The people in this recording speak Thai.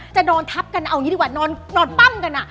จะนอนทับกันเอาอย่างนี้ดีกว่านอนปั้มกัน